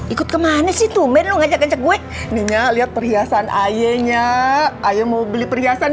ikut kemana sih tumen ngajak ngajak gue ini lihat perhiasan ayahnya ayo mau beli perhiasan